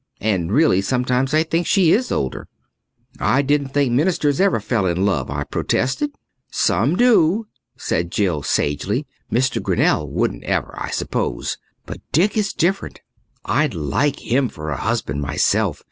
And really, sometimes I think she is older. "I didn't think ministers ever fell in love," I protested. "Some do," said Jill sagely. "Mr. Grinnell wouldn't ever, I suppose. But Dick is different. I'd like him for a husband myself.